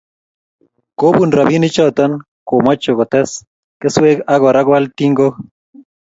Kobun robinichoto komucho kotes keswek ak Kora koal tingook